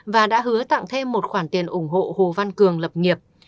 và đã hứa tặng thêm một khoản tiền ủng hộ hồ văn cường lập nghiệp